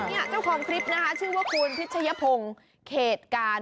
เจ้าความคลิปชื่อว่าคุณพิชยพงศ์เขตการณ์